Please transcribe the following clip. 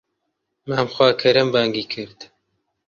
مام خواکەرەم بانگی کرد